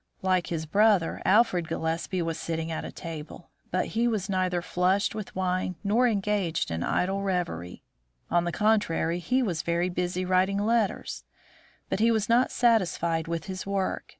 Like his brother, Alfred Gillespie was sitting at a table, but he was neither flushed with wine nor engaged in idle revery. On the contrary, he was very busy writing letters. But he was not satisfied with his work.